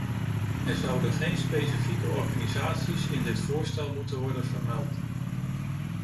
Er zouden geen specifieke organisaties in dit voorstel moeten worden vermeld.